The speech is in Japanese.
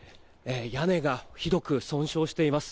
屋根がひどく損傷しています。